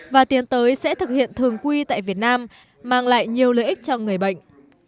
và tiến tới sẽ thực hiện thường quy tại việt nam mang lại nhiều lợi ích cho người bệnh